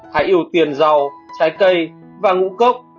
hãy ưu tiên rau trái cây và ngũ cốc